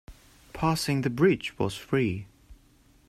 Passing the bridge was free.